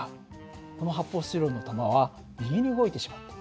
この発泡スチロールの玉は右に動いてしまった。